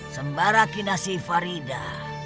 sembara kinasi farida